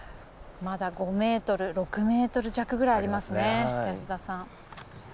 まだ５ｍ６ｍ弱くらいありますすね安田さん。